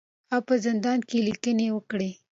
هغه په زندان کې لیکنې وکړې.